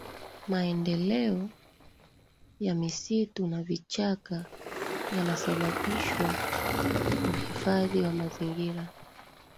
maendeleo ya misitu na vichaka yanasababishwa uhifadhi wa mazingira